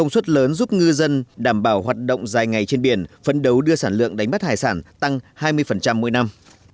công suất lớn giúp ngư dân đảm bảo hoạt động dài ngày trên biển phấn đấu đưa sản lượng đánh bắt hải sản tăng hai mươi mỗi năm